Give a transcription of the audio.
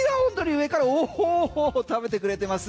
上から食べてくれてます。